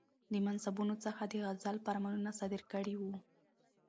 د منصبونو څخه د عزل فرمانونه صادر کړي ؤ